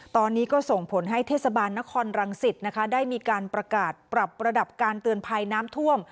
ตอนนี้ก็ส่งผลให้เทศบาลนครรังสิตนะคะได้มีการประกาศปรับระดับการเตือนภัยน้ำท่วม